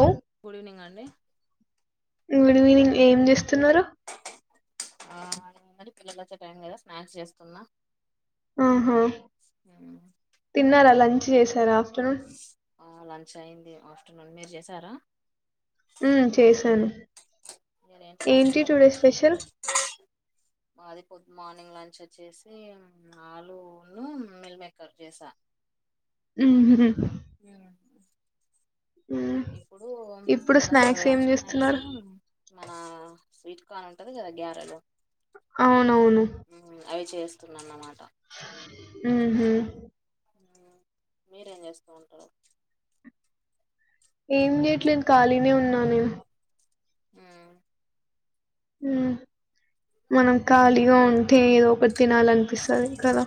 Hello good evening అండి good evening ఏం జేస్తున్నారు ఆ పిల్లల్లోచ్చే టైం కదా స్నాక్స్ జేస్తున్నా ఆహా తిన్నారా లంచ్ జేసారా ఆహ్ లంచ్ అయింది ఆఫ్టర్నూన్ మీర్ జెసారా ఉమ్ చేసాను మీరేంటి లంచ్ ఏంటి మరి టూడే స్పెషల్ మాది పొద్ మార్నింగ్ లంచ్ ఓచ్చేసి ఆలూ ఉన్ను మిల్ మేకర్ జెసా ఉహ్మ్ ఇప్పుడు ఇప్పుడు పిల్లలోస్తరు స్నాక్స్ గద ఏం అని చేస్తున్నారు స్నాక్సు మన స్వీట్ కార్న్ ఉంటది గదా గ్యారెలో అవునవును అవి చేస్తున్నాన్నమా మ్ హ్మ్ మీరేం జేస్తూ ఉంటారు ఏం జేయట్లేను ఖాళీనే ఉన్నాను హ్మ్ మ్ మనం ఖాళీగా ఉంటే ఏదో ఒకట్ తినాలనిపిస్తది కదా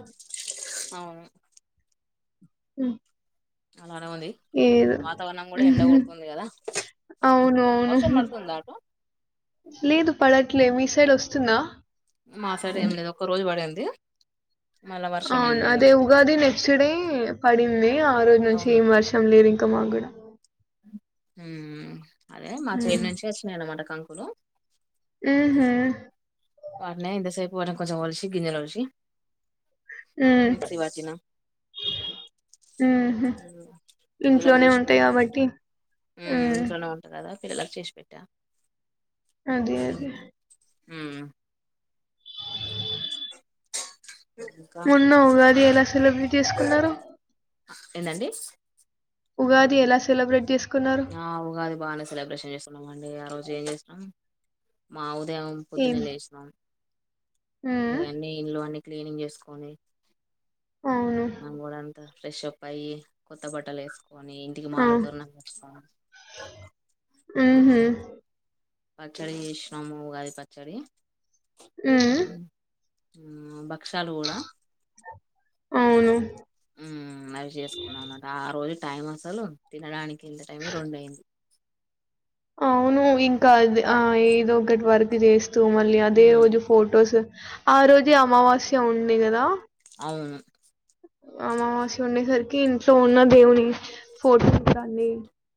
అవును హు అలానే ఉంది వాతావర్ణం కూడా ఎండ కొడుతుంది కదా అవునవును వర్షం పడుతుందా అటు లేదు పడట్లే మీ సైడ్ వస్తుందా మాసైడ్ ఏం లేదు ఒక్క రోజు పడింది మళ్ళా వర్షం ఏం అవును లేదు అదే ఉగాది నెక్స్ట్ డే పడింది ఆ రోజు నుంచి అవును ఏం వర్షం లేదిం తమా గూడా హు అదే మా చేన్ హ్మ్ నుంచే వచ్చినయన్మాట కంకులు మ్ హ్మ్ వాట్నే ఇంతసేపు అంటే కొంచెం ఒల్సి గింజెలొల్సి హ్మ్ మిక్సీ వట్టిన ఉహూ ఇంట్లోనే ఉంటాయి కాబట్టి హు హ్మ్ ఇంట్లోనే ఉంట కదా పిల్లలకి చేసి పెట్టా అదే అదే హ్మ్ ఇంకా మొన్న ఉగాది ఎలా సెలబ్రేట్ చేసుకున్నారు ఏందండి ఉగాది ఎలా సెలబ్రేట్ చేస్కు ఆ ఊగాది బానే సెలబ్రేషన్ చేస్కున్నం అండి ఆ రోజు ఏం చేస్నం మా ఊ దేవం ఏం పొద్దున్నే లేస్నం హ్మ్ ఇగన్నీ ఇల్లూ అన్ని క్లీనింగ్ చేస్కోనీ అవును మా గుడంతా ఫ్రెషప్ అయ్యి కొత్త బట్టలేస్కొనీ ఇంటికి ఆ మామిడి తోరణాలు క ఉహూ మ్ పచ్చడి చేష్ణాము ఉగాది పచ్చడి మ్ మ్ భక్షాలు గూడా అవును చేసుకున్నాం అన్నమాట ఆ రోజు టైం అసలు తినడానికి ఎంత టైమై రొండైంది అవును ఇంకా అది ఆ ఏదో ఒకటి వర్క్ చేస్తూ మళ్ళీ అదే ఉమ్ రోజు ఫోటోస్ ఆ రోజే అమావాస్య ఉంది కదా అవును అమవాస్య ఉండే సరికి ఇంట్లో ఉన్న దేవుని ఫోటోసన్నీ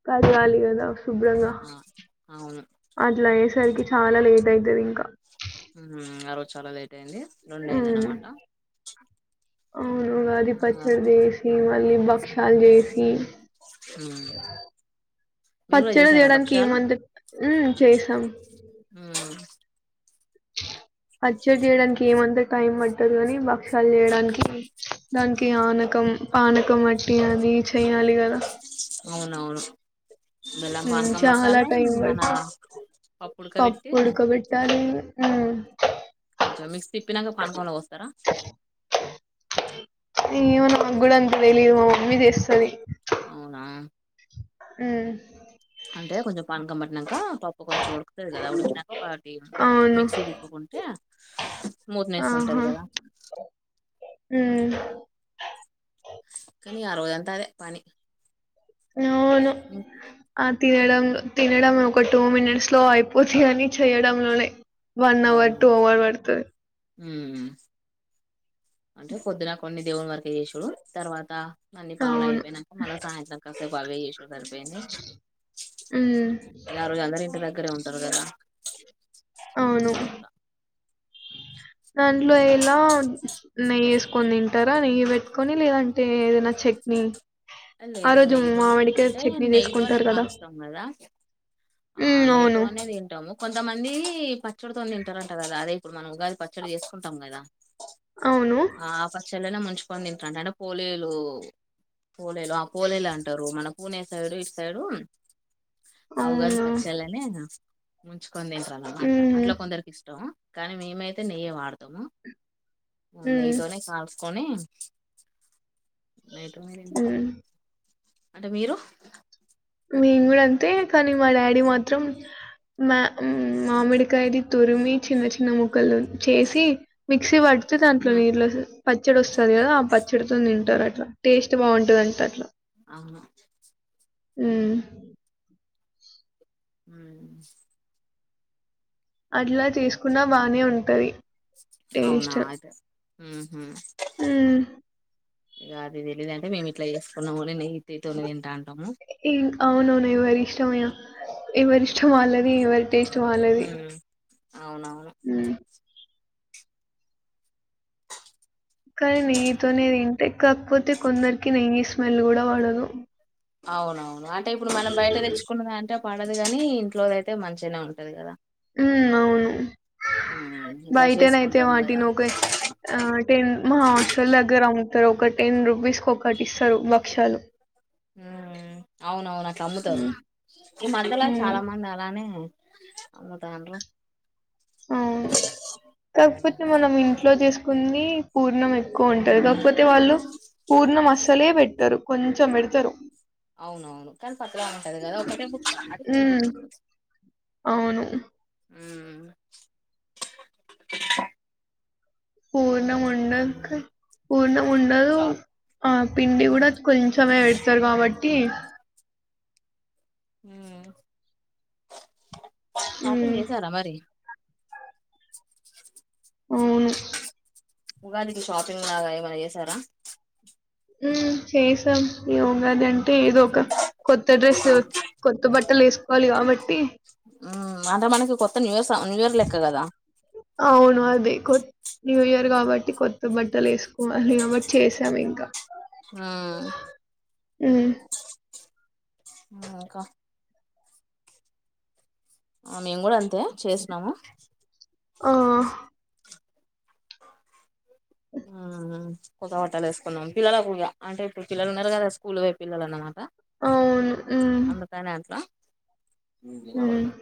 కడగాలి కదా శుభ్రంగా ఆ అవును అట్లయ్యేసరికి చాలా లేట్ ఐతదింకా హ్మ్ ఆ రోజు చాలా లేట్ అయింది రొండైందన మ్మ్ మాట అవును ఉగాది పచ్చడి చేసి మళ్ళీ భక్షా ల్ జేసీ ఉమ్ మీరు కూడా పచ్చడి చేసారా చేయడానికి భక్షాలు ఏమంత టైం మ్ చేసాం ఉమ్ పచ్చడి చేయడానికి ఏమంతా టైం పట్టదు కాని భక్షాలు చేయడానికి దానికి ఆన కం పానకం అట్టి అది చెయ్యాలి కదా అవునవును బెల్లం ఉమ్ పానకం పట్టాలే మన పప్పు ఉడకబెట్టి పప్పుడక పెట్టాలె మ్ కొంచెం మిక్సీ తిప్పినాక పానకంలో పోస్తరా అయ్యో నాగ్గూడంత తెలీదు మా మమ్మీ చేస్తది అవునా మ్ అంటే కొంచం పానకం పట్టినంక పప్పు కొంచెం ఉడుకుతది కదా అప్పుడు ఒకటి అవును మిక్సీ తిప్పుకుంటే మూత్ నెస్ ఉంటది కదా హుమ్ అట్లా కానీ ఆరోజంతా అంతా అదే పనీ అవును అ తినడం తినడం ఒక టూ మినిట్స్ లో అయిపోతదికని చెయడంలోనే వన్ అవును అవర్ టూ అవర్ పడుతది ఉమ్ అంటే పొద్దున కొన్ని దేవుని వరకె చేసుడు తర్వాత అన్ని పనులు అవును అయిపోయినంక మళ్ళ సాయంత్రం కాసేపు అవ్వే చేసుడు సరిపోయింది ఉమ్ ఇగ ఆరోజు అందరు ఇంటి దగ్గరే ఉంటరు కదా అవును అట్లా దాంట్లో అందరి ఎలా నెయ్య క్కొని తింటరా నెయ్యి పెట్టుకొని లేదంటే ఏదైనా చట్నీ ఆ లేదు రోజు నెయ్యితోనే మామిడికాయ అంటే చట్నీ నెయ్యితోనే చేసుకుంటారు కదా కాలుస్తాం కదా ఆ ఉమ్ అవును నెయ్యితోనే తింటము కొం తమందీ పచ్చడితోని తింటరంట కదా అదే ఇప్పుడు మనం ఉగాది పచ్చడి చేసుకుంటాం కదా అవును ఆ పచ్చల్లలొనే ముంచుకొని తింటరంట అంటే పోలీయలు పోలేలు ఆ పోలేలు అంటరు మన పూనే సైడు ఇటు సైడూ ఆ ఉగాది అవునా పచ్చల్లనె ముంచుకొని తింటరన్న మాట ఉహు అట్లా కొందరికి ఇష్టం కానీ మేమైతే నెయ్యి వాడతము ఉమ్ నెయ్యితోనే కాల్ కొని నెయ్యితో తిన్ ఉమ్ అంటే మీరు మేం గూడా అంతే కానీ మా డాడీ మాత్రం మ్యా మామిడికాయది తురుమి చిన్న చిన్న ము క్కలు చేసి మిక్సీ పడితే దాంట్లో ఉమ్, నీళ్ళ ఓ పచ్చడి ఒస్తది కదా ఆ పచ్చడితోని తింట అట్లా టేస్ట్ బాగుంటదంట అట్లా అవునా హుమ్ ఉమ్ అట్లా చేసుకున్నా బానే ఉంటది అవునా టేస్ట్ అయితే ఊహు హ్మ్. ఇగ అది తెలిద మేము ఇట్లా చేసుకున్నాము అని నేయ్యిటి తోనే తింటా ఏ అవును నెవరి ఇష్టమెగా ఎవరి ఇష్టం వాల్లది ఎవరి టేస్ట్ వాల్లది అవునవును కానీ నెయ్యితోనే తింటే కాకపోతే కొందరికి నెయ్యి స్మెల్ కూడా పడదు అవునవును అంటే ఇప్పుడు మనం బయట తెచ్చుకున్నదంటే పడదు కాని ఇంట్లోదయితే మంచిగానే ఉంటది కదా ఉ అవును ఉమ్ ఇంట్లో బయటనయితే చేసుకుంటాం కదా వాటినొక ఆ టెన్ మా హాస్టల్ దగ్గర అ ఒక టెన్ రూపీస్క్ ఒక వక్షాలు ఉమ్ అవునవునట్ల అమ్ముతరు హ్మ్. ఈ మధ్యల హ్మ్. చాలా మంది అలానే అమ్ముతాండ్రు అవును ఉమ్ కాకపోతే మనం ఇంట్లో చేసుకు కి పూర్ణం ఎక్కువ ఉంటది కాకపోతే వాళ్ళు పూర్ణం అస్సలే పెట్టరు కొంచెం పెడ్తరు అవునవును కానీ పత్లా ఉంటది కదా ఒకటే బుక్క అ హ్మ్. అవును ఉమ్ ఉమ్ అవును పూర్ణముండక్ పూర్ణం ఉండదు షాప్ ఆ పిండి ఉమ్ కూడా కొంచెమే పెడతారు కాబట్టి. హుమ్ షాపింగ్ మ్మ్ చేసారా మరి అవును. ఉగాదికి షాపింగ్ లాగా ఏమైనా చేసారా. ఉమ్ చేసాం యోగాదం. అంటె ఎదో ఒక కొత్త డ్రెస్ కొత్త బట్టలు వేసుకోవాలి కాబట్టి. ఉమ్ అంటే మనకి కొత్త న్యూ సమ న్యూ ఇయర్ లెక్క కదా. అవును అది. న్యూ ఇయర్ కాబట్టి కొత్త బట్టలు వేసుకోవాలి కాబట్టి చేసాము ఇంకా. ఉమ్ ఉమ్. ఆహ్ ఇంకా. ఆహ్ మేము కూడా అంతే చేసినము. ఆహ్. ఆహ్ కొత్త బట్టాలు వేసుకున్నాం పిల్లలకూడ అంటే ఇప్పుడు పిల్లలు ఉన్నారు కదా స్కూల్ పోయే పిల్లలు అన్నమాట. అవును ఉమ్. నువ్వు తిన్నావా ఇంకా.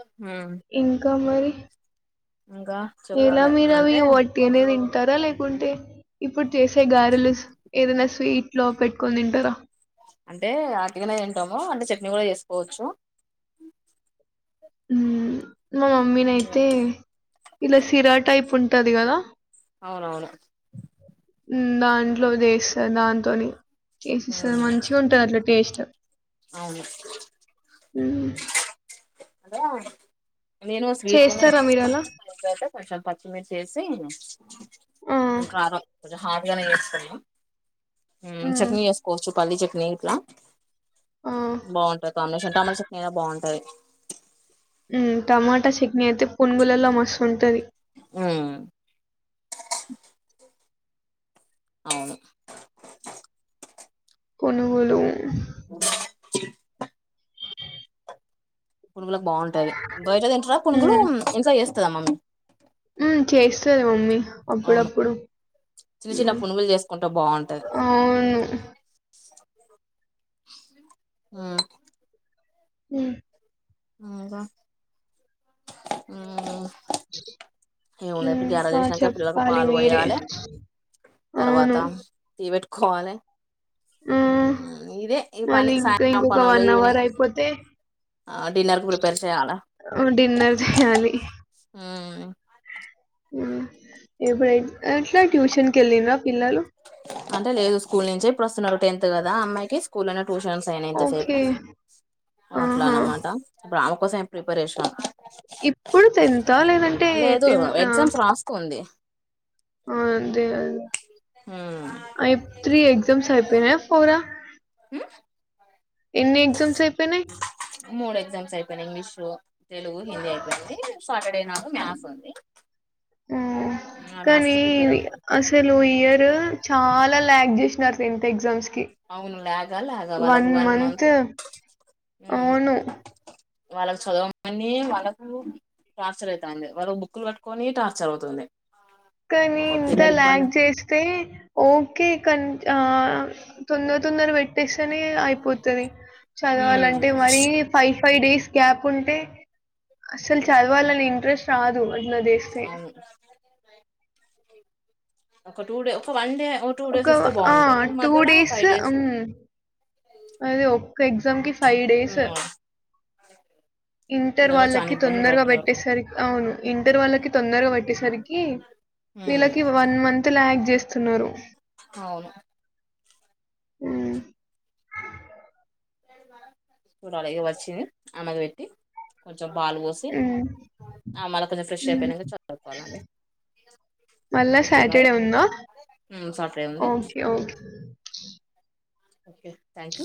ఉమ్. ఇంకా మరి. ఎలా చెప్పాలి మీరు అవి అంటే వాటిగానే తింటారా లేకుంటే. ఇప్పుడు చేసే గారెలు ఏదైనా స్వీట్ లో పెట్టుకొని తింటారా. అంటే ఆటిగానే తింటాము అంటే చట్నీ కూడా చేసుకోవచ్చు. ఉమ్ మా మమ్మీనైయితే ఇలా సిరా టైప్ ఉంటది కదా. అవునవును. ఉమ్ దాంట్లో చేస్తాది దాంతోని చేస్తాది మ్మ్ మంచిగా ఉంటది అట్లా టేస్ట్. అవును. మ్మ్ అదా. నేను స్వీట్ తోని చేస్తారా మీరు అలా చేస్తా కొంచం పచ్చిమిర్చి యేసి. ఆ ఇంకా కారం. హాట్ గానే చేస్తున్నాం ఉమ్ మ్మ్ చట్నీ చేసుకోవచ్చు పల్లి చట్నీ ఇంట్లా. ఆ బాగుంటాది కాంబినేషన్ టమాటా చట్నీ అయిన బాగుంటాది. టమాటా చట్నీ అయితే పునుగులలో మస్తు ఉంటది. ఉమ్. అవును. పునుగులు ఉమ్. ఆహ్. పునుగులకు బాగుంటాది బయట తింటార పునుగులు ఇంట్లో చేస్తదమమ్మీ. ఉమ్ చేస్తది మమ్మీ అవును అప్పుడప్పుడు చిన్న చిన్న ఉమ్. పునుగులు చేసుకుంటే బాగుంటది. ఉమ్. ఉమ్. ఆవ్ రా ఉమ్. ఏమున్నాది ఇపుడు గర ఇంకా చేసినాక పిల్లలకు చెప్పాలి పాలు మీరే పోయాలే. తర్వాత అవును టీ పెట్టుకోవాలి. ఆ ఇదే ఇ పని మళ్ళీ ఇంకా సాయంత్రం ఇంకొక పనులు వన్ అవర్ ఈవినింగ్ అయిపోతే ఆ డిన్నర్కి ప్రిపేర్ చేయాల డిన్నర్ చేయాలి ఉ ఎప్పుడు ఎట్లా ట్యూషన్ కి వెళ్ళిన్రా పిల్లలు అంటే లేదు స్కూల్ నుంచి ఇప్పుడు వస్తున్నారు టెన్త్ కదా అమ్మాయికి స్కూల్ ట్యూషన్స్ అయినాయి ఇంత సేపు ఓకే అట్లా ఆహా అన్నమాట ఇప్పుడు ఆమె కోసం ఈ ప్రిపరేషను ఇప్పుడు టెన్తా లేదంటే లేదు టెన్ ఆ ఎగ్జామ్స్ రాస్తుంది. అదే అదే ఉమ్ అయి త్రీ ఎగ్జామ్స్ ఐపేయినయ. పోరా ఎన్ని ఎగ్జామ్స్ అయిపేయినయ్. మూడు ఎగ్జామ్స్ ఐపోయినయ్ ఇంగ్లీషు తెలుగు హిందీ ఐపేయింది రేపు సాటర్డే నాడు మ్యాథ్స్ ఉంది. ఉమ్మ్ ఆ మ్యాథ్స్ కి కానీ ప్రిపేర్ అవుతాను అసలు ఈ ఇయర్ చాలా లైక్ జేష్. నా టెన్త్ ఎగ్జామ్స్ కి అవును ల్యాగా లాగా వాళ్ళకు వన్ మంతూ ఊ అవును. వాళ్ళకు చదవ మని వాళ్ళకు టార్చరైతాంది వాళ్లకు బుక్కులు వట్టుకొని టార్చర్ అవుతుంది కానీ పాపం ఇంత పిల్లలు ల్యాగ్ ఇబ్బంది జెస్తే ఓకే కంట్ ఆ తొందర తొందర వెట్టేస్తేనే అయిపోతది చదవాలంటే మరీ ఫై ఫైవ్ డేస్ గ్యాప్ ఉంటే అసల్ చదవాలని ఇంట్రెస్ట్ రాదు అట్లా చేస్తే. అవును ఒక టూ డే ఒక వన్ డే ఓ టూ ఒక డేస్ వొస్తే ఆ! బాగుంటది కానీ మధ్యల ఫైడేసు అది ఒక్క ఎగ్జామ్ కి ఫై డేస్ ఇంటర్ పిల్లలు చాలా వాళ్ళకి ఇబ్బంది తొందరగా పడుతున్నారు బెట్టేసరిక్ అవును ఇంటర్ వాళ్ళకి తొందరగా వెట్టేసరికి వీళ్ళకి వన్ మంత్ ల్యాగ్ జేస్తున్నరు అవును మ్ చూడాలిగా వచ్చింది ఆమెది వెట్టి కొంచెం పాలువోసి హ్మ్. ఆ మళ్ళ కొంచెం ఫ్రెష్ ఉమ్, అయిపెయినక చదువు కోవాలండి మళ్ళ సాటర్డే ఉందా సాటర్డే ఉంది ఓకే ఓకే ఓకే థ్యాంక్యూ